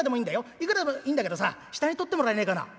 いくらでもいいんだけどさ下に取ってもらえねえかな？」。